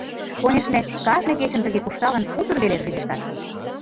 Конешне, кажне кечын тыге куржталын, утыр веле рвезештат...